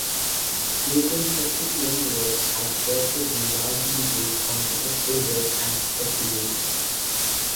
Dating subsequent work has therefore been largely based on detective work and speculation.